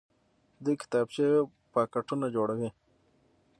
دوی کتابچې او پاکټونه جوړوي.